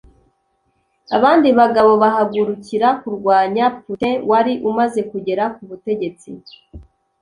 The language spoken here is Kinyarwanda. abandi bagabo bahagurikira kurwanya Putin wari umaze kugera ku butegetsi